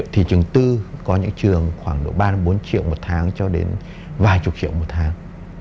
thị trường tư có những trường khoảng độ ba bốn triệu một tháng cho đến vài chục triệu một tháng